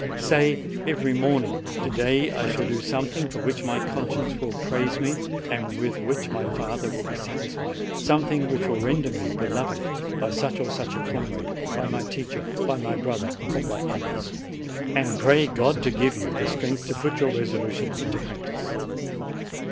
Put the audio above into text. Say every morning, "To day I shall do something for which my conscience will praise me, and with which my father will be satisfied ; something which will render me beloved by such or such a comrade, by my teacher, by my brother, or by others." And pray God to give you the strength to put your resolution into practice.